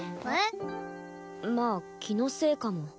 まあ気のせいかも。